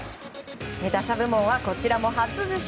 打者部門はこちらも初受賞